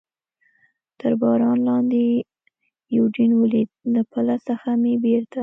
تر باران لاندې یوډین ولید، له پله څخه مې بېرته.